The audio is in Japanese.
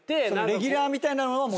レギュラーみたいなのは持てず？